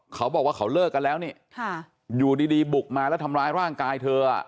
เขาบอกว่าเขาเลิกกันแล้วนี่อยู่ดีบุกมาแล้วทำร้ายร่างกายเธอ